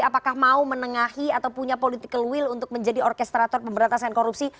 apakah mau menengahi atau punya political will untuk menjadi orkestrator pemberantasan korupsi